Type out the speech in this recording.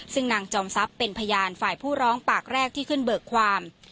ซึ่งนางจอมทรัพย์เป็นพยานฝ่ายผู้ร้องปากแรกที่ขึ้นเบิกความ